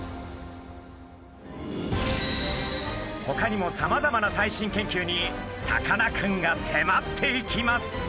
ほかにもさまざまな最新研究にさかなクンが迫っていきます。